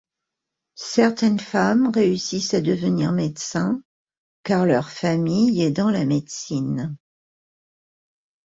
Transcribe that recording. Certaines femmes réussissent à devenir médecin car leur famille est dans la médecine.